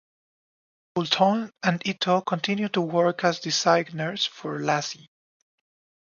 Poulton and Ito continue to work as designers for LaCie.